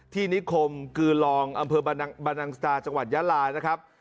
นิคมกือลองอำเภอบรรนังสตาจังหวัดยาลานะครับ